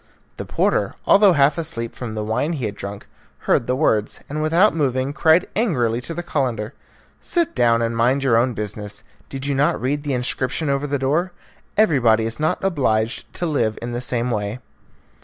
The porter, although half asleep from the wine he had drunk, heard the words, and without moving cried angrily to the Calender, "Sit down and mind your own business. Did you not read the inscription over the door? Everybody is not obliged to live in the same way."